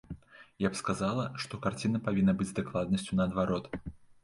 Я б сказала, што карціна павінна быць з дакладнасцю наадварот.